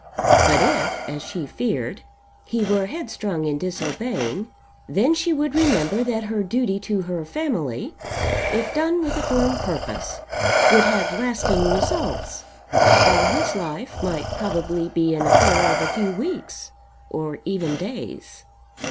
But if, as she feared, he were headstrong in disobeying, then she would remember that her duty to her family, if done with a firm purpose, would have lasting results, while his life might probably be an affair of a few weeks, or even days.